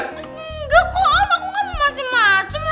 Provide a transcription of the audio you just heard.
enggak kok om aku gak mau macem macem